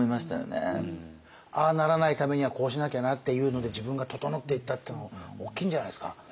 ああならないためにはこうしなきゃなっていうので自分が整っていったっていうの大きいんじゃないですか？